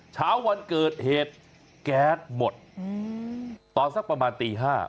เช้าวันเกิดเหตุแก๊สหมดตอนสักประมาณตี๕